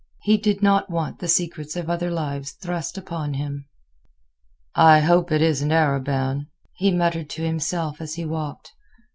He did not want the secrets of other lives thrust upon him. "I hope it isn't Arobin," he muttered to himself as he walked.